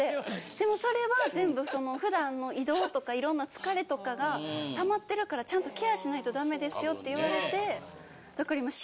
でもそれは全部普段の移動とかいろんな疲れとかが溜まってるからちゃんとケアしないとダメですよって言われて。